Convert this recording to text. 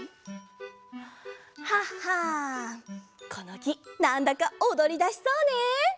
ハハンこのきなんだかおどりだしそうね。